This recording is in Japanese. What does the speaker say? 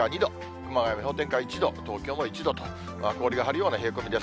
熊谷も氷点下１度、東京も１度と、氷が張るような冷え込みです。